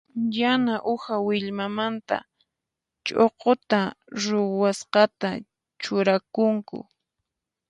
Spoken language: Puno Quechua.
Yana uha willmamanta chukuta ruwasqata churakunku.